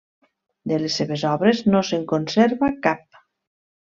De les seves obres no se'n conserva cap.